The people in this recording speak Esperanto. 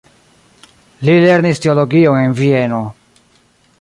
Li lernis teologion en Vieno.